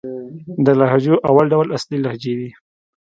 د لهجو اول ډول اصلي لهجې دئ.